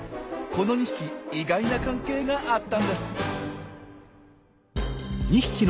この２匹意外な関係があったんです！